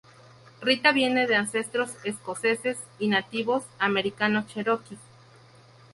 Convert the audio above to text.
Rita viene de ancestros escoceses y nativos americanos cheroquis.